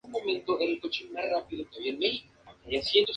Un hombre puro, trágico, sincero e idealista.